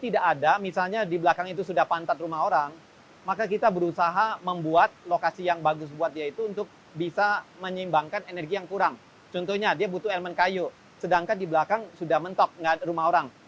di belakang sudah mentok nggak rumah orang